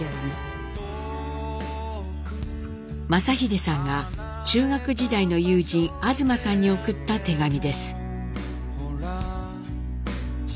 正英さんが中学時代の友人東さんに送った手紙です。